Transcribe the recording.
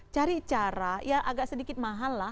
cari cara ya agak sedikit mahal lah